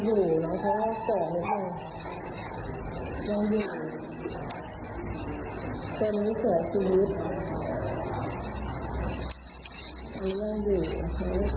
แต่พอดีว่าเขาโดนตัดไฟอ่ะ